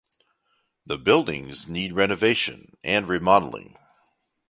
The buildings need renovation and remodeling.